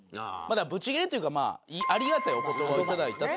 ブチギレというかまあありがたいお言葉を頂いたと。